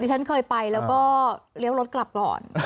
ฉันเคยไปแล้วก็เลี้ยวรถกลับก่อน